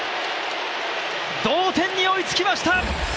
同点に追いつきました！